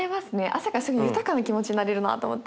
朝から豊かな気持ちになれるなと思って。